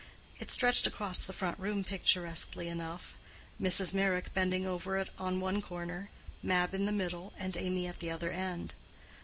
It stretched across the front room picturesquely enough, Mrs. Meyrick bending over it on one corner, Mab in the middle, and Amy at the other end.